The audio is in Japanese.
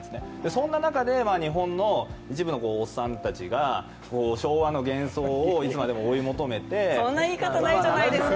そんな中で日本の一部のおっさんたちが昭和の幻想をいつまでも追い求めてそんな言い方ないじゃないですか。